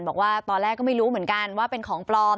ตัวแรกไม่รู้เหมือนกันว่าเป็นของปลอม